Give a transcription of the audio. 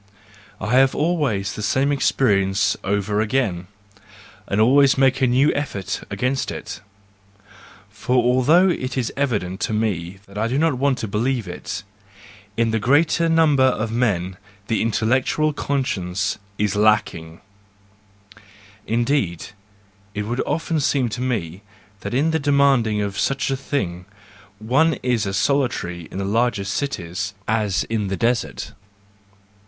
—I have always the same experience over again, and always make a new effort against it; for although it is evident to me I do not want to believe it: in the greater number of men the intellectual conscience is lacking; indeed, it would often seem to me that in demanding such a thing, one is as solitary in the largest cities as in the desert.